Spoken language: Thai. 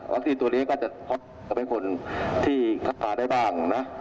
วัคซีนตัวนี้ก็จะเขาขาดออกไปคนที่ถ้าสามารถได้บ้างนะ